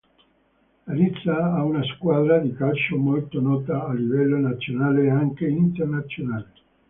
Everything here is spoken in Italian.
Larissa ha una squadra di calcio molto nota a livello nazionale e anche internazionale.